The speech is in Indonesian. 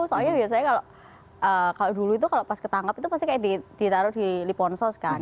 soalnya biasanya kalau dulu itu kalau pas ketangkep itu pasti kayak ditaruh di liponsos kan